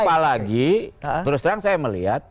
apalagi terus terang saya melihat